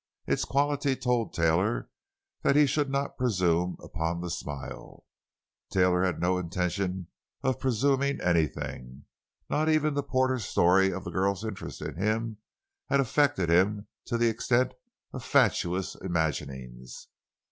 Its quality told Taylor that he should not presume upon the smile. Taylor had no intention of presuming anything. Not even the porter's story of the girl's interest in him had affected him to the extent of fatuous imaginings.